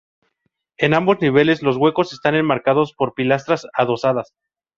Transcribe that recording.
En ambos niveles, los huecos están enmarcados por pilastras adosadas.